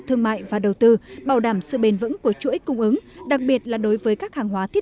thương mại và đầu tư bảo đảm sự bền vững của chuỗi cung ứng đặc biệt là đối với các hàng hóa thiết